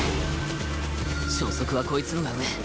初速はこいつのが上